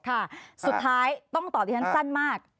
สุดท้ายต้องตอบที่ฉันสั้นมาก